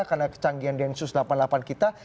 karena kecanggihan densus delapan puluh delapan kita